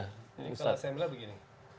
kalau saya bilang begini